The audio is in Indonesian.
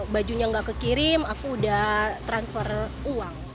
bajunya nggak kekirim aku udah transfer uang